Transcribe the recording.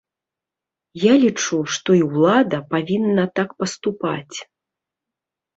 Я лічу, што і ўлада павінна так паступаць.